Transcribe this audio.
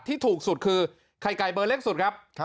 ที่ถูกสุดคือไข่ไก่เบอร์เล็กสุดครับ